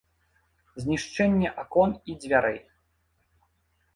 Знішчэнне акон і дзвярэй.